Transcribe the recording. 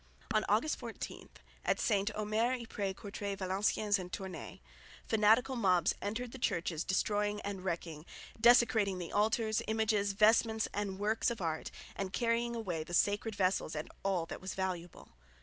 On August 14, at St Omer, Ypres, Courtray, Valenciennes and Tournay, fanatical mobs entered the churches destroying and wrecking, desecrating the altars, images, vestments and works of art, and carrying away the sacred vessels and all that was valuable.